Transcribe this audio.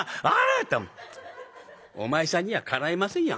「お前さんにはかないませんよ